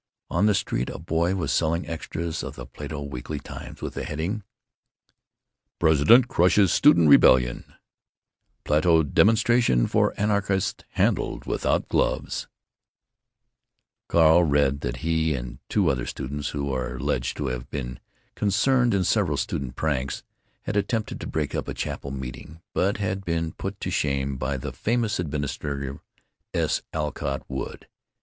On the street a boy was selling extras of the Plato Weekly Times, with the heading: PRESIDENT CRUSHES STUDENT REBELLION Plato Demonstration for Anarchist Handled Without Gloves Carl read that he and two other students, "who are alleged to have been concerned in several student pranks," had attempted to break up a chapel meeting, but had been put to shame by the famous administrator, S. Alcott Wood.